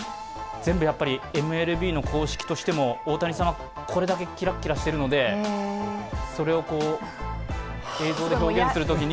全部ＭＬＢの公式としても、大谷さんはこれだけキラキラしてるのでそれを映像で表現するときに。